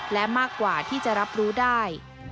และมากกว่าที่จะรับรู้ได้